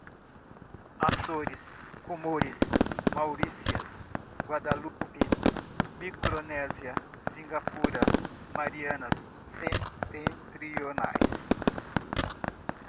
Açores, Comores, Maurícias, Guadalupe, Micronésia, Singapura, Marianas Setentrionais